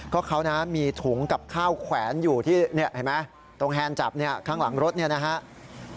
ก็เขานะมีถุงกับข้าวแขวนอยู่ที่นี่เห็นไหมตรงแฮนดจับเนี่ยข้างหลังรถเนี่ยนะครับ